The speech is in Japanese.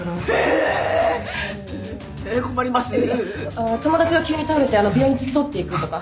あ友達が急に倒れて病院に付き添っていくとか。